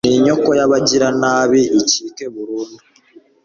n'inyoko y'abagiranabi icike burundu